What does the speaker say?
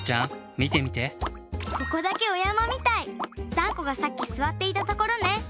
ダンコがさっきすわっていたところね。